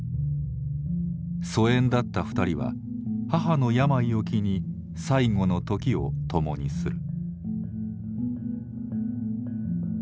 疎遠だった２人は母の病を機に最後の時を共にする。